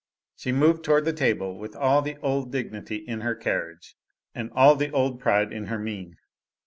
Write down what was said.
She moved toward the table with all the old dignity in her carriage, and all the old pride in her mien.